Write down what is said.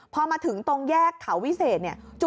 พอมาถึงตรงแยกเขาวิเศษเนี่ย